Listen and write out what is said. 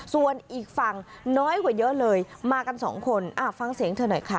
ส่วนอีกฝั่งน้อยกว่าเยอะเลยมากันสองคนฟังเสียงเธอหน่อยค่ะ